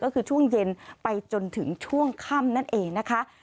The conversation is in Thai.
ก็คือช่วงเย็นไปจนถึงช่วงค่ำนั่นเองนะคะ